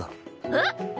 えっ？